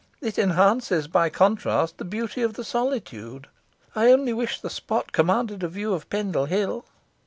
It enhances, by contrast, the beauty of this solitude. I only wish the spot commanded a view of Pendle Hill."